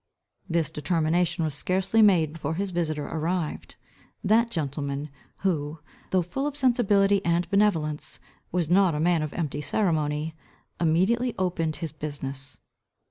This determination was scarcely made before his visitor arrived. That gentleman, who, though full of sensibility and benevolence, was not a man of empty ceremony, immediately opened his business.